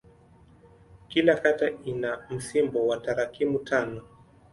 Kila kata ina msimbo wa tarakimu tano.